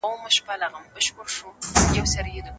وروسته پاته والی باید له منځه لاړ سي.